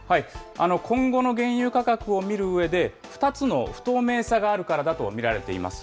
今後の原油価格を見るうえで、２つの不透明さがあるからだと見られています。